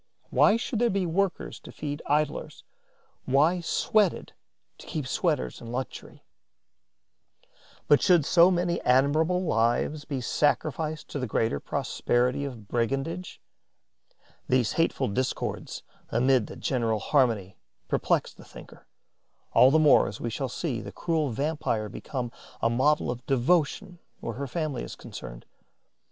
Why should there be workers to feed idlers, why sweated to keep sweaters in luxury? Why should so many admirable lives be sacrificed to the greater prosperity of brigandage? These hateful discords amid the general harmony perplex the thinker, all the more as we shall see the cruel vampire become a model of devotion where her family is concerned.